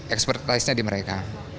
expertise nya di mereka